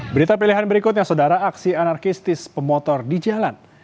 berita pilihan berikutnya saudara aksi anarkistis pemotor di jalan